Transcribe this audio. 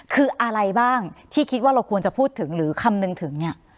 คืออะไรบ้างที่คิดว่าเราควรจะพูดถึงหรือคำนึงถึงเนี่ย